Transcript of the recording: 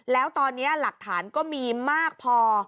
แล้วตอนนี้หลักฐานก็มีมากพอ